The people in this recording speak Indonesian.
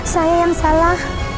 saya yang salah